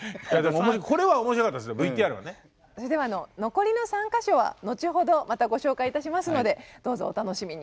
それでは残りの３か所は後ほどまたご紹介いたしますのでどうぞお楽しみに。